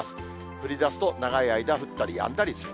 降りだすと長い間、降ったりやんだりする。